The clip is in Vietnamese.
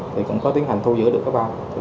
thì cũng có tiến hành thu giữ được cái bao